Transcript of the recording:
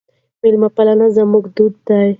میلمه پالنه زموږ دود دی.